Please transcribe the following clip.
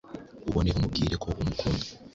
ubone umubwire ko umukunda